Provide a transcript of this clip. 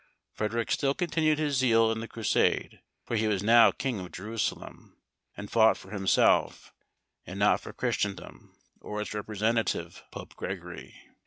Frederic still continued his zeal in the Crusade, for he was now king of Jerusalem, and fought for himself, and not for Christendom, or its representative, Pope Gregory.